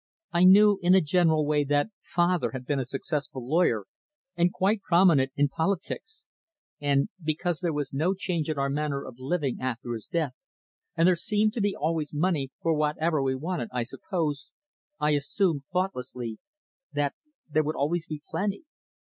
"I knew in a general way that father had been a successful lawyer, and quite prominent in politics; and because there was no change in our manner of living after his death, and there seemed to be always money for whatever we wanted, I suppose I assumed, thoughtlessly, that there would always be plenty.